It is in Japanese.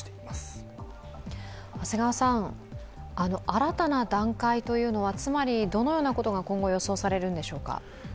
新たな段階というのは、つまりどのようなことが今後予想されるんでしょうか？